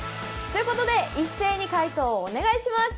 ということで一斉に解答をお願いします！